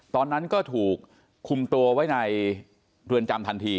ตอนนั้นก็ถูกคุมตัวไว้ในเรือนจำทันที